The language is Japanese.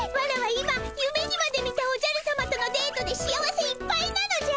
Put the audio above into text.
今夢にまで見たおじゃるさまとのデートで幸せいっぱいなのじゃ！